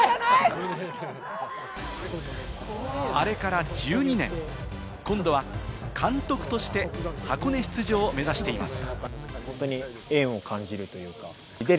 あれから１２年、今度は監督として箱根出場を目指しています。